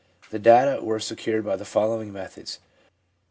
... 'The data were secured by the following methods.